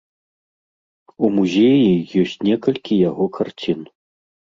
У музеі ёсць некалькі яго карцін.